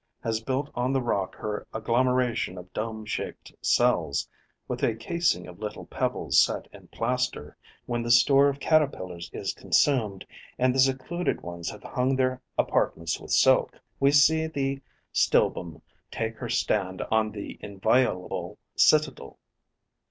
has built on the rock her agglomeration of dome shaped cells, with a casing of little pebbles set in the plaster, when the store of Caterpillars is consumed and the secluded ones have hung their apartments with silk, we see the Stilbum take her stand on the inviolable citadel.